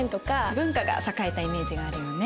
文化が栄えたイメージがあるよね。